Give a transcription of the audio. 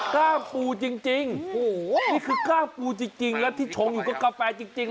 กล้ามปูจริงโอ้โหนี่คือกล้ามปูจริงแล้วที่ชงอยู่ก็กาแฟจริง